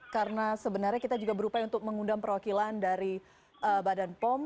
karena sebenarnya kita juga berupaya untuk mengundang perwakilan dari badan pom